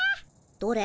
どれ？